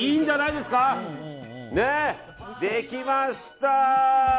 できました！